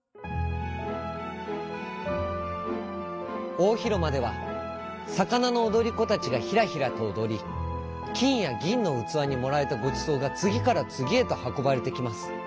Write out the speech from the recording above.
おおひろまではさかなのおどりこたちがひらひらとおどりきんやぎんのうつわにもられたごちそうがつぎからつぎへとはこばれてきます。